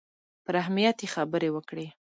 پر اهمیت یې خبرې وکړې.